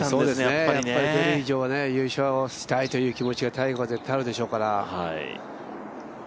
やっぱり出る以上は優勝したいという気持ちがタイガーには絶対にあるでしょうから。